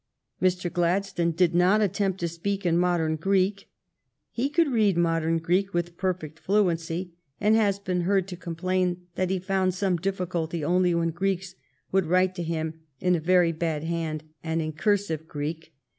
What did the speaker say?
Mr. Gladstone did not attempt to speak in mod ern Greek. He could read modern Greek with perfect fluency, and has been heard to complain that he found some difficulty only when Greeks would write to him in a very bad hand and in "cursive Greek."